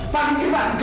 pak ingkir pak